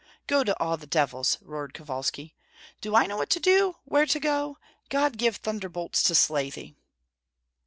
"Go to all the devils!" roared Kovalski. "Do I know what to do, where to go? God give thunderbolts to slay thee!"